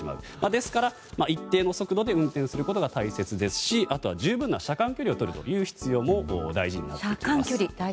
ですから、一定の速度で運転することが大切ですしあとは十分な車間距離をとることも大事になってきます。